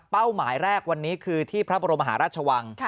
หมายแรกวันนี้คือที่พระบรมหาราชวัง